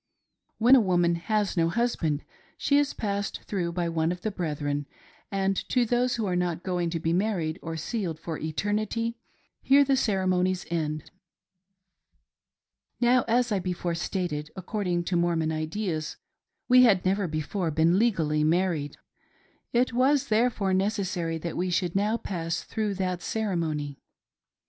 When a woman has no husband she is passed through by one of the brethren, and to those who are not going to be married or sealed for eternity here the ceremonies end. Now, as I before stated, according to Mormon ideas, we had never before been legally married. It was therefore neces sary that we should now pass through that ceremony.